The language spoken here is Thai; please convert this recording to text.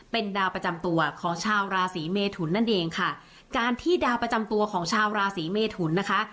เป็นดาวประจำตัวของชาวราศีเมทุนนั่นเองค่ะการที่ดาวประจำตัวของชาวราศีเมทุนนะคะ